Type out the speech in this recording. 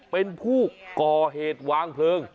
เป็นผู้ก่อเหตุวางเพลิง